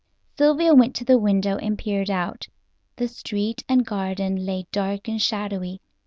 Sylvia went to the window and peered out. The street and garden lay dark and shadowy.